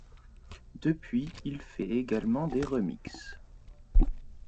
Depuis il fait également des remix.